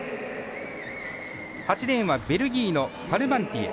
８レーンはベルギーのパルマンティエ。